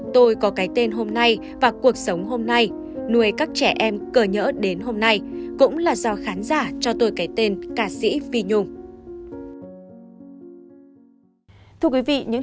tôi có cái tên hôm nay và cuộc sống hôm nay nuôi các trẻ em cờ nhỡ đến hôm nay cũng là do khán giả cho tôi cái tên ca sĩ phi nhung